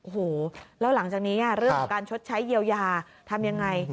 โอ้โหแล้วหลังจากนี้เรื่องของการชดใช้เยียวยาทำยังไง